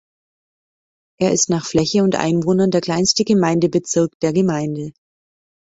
Er ist nach Fläche und Einwohnern der kleinste Gemeindebezirk der Gemeinde.